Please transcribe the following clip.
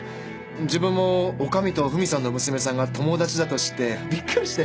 自分も女将とフミさんの娘さんが友達だと知ってびっくりして。